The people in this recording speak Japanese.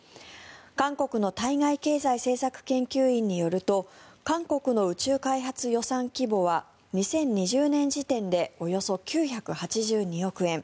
韓国の対外経済政策研究院によると韓国の宇宙開発予算規模は２０２０年時点でおよそ９８２億円